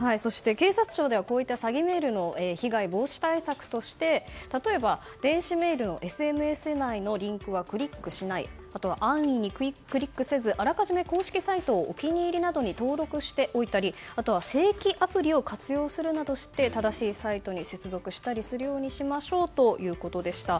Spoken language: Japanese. そして、警察庁ではこういった詐欺メールの被害防止対策として例えば電子メールのＳＭＳ内のリンクはクリックしないあとは安易にクリックせずあらかじめ公式サイトをお気に入りなどに登録しておいたりあとは正規アプリを活用するなどして正しいサイトに接続したりするようにしましょうということでした。